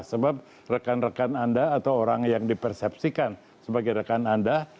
sebab rekan rekan anda atau orang yang dipersepsikan sebagai rekan anda